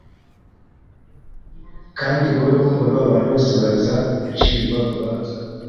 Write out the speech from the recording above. Kandi buhoro buhoro abantu bose baza gucirwa urubanza